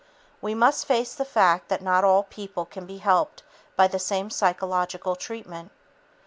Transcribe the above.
We must face the fact that not all people can be helped by the same psychological treatment.